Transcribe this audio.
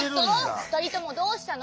ふたりともどうしたの？